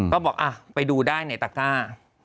ก็บอกไปดูได้ในตะก้า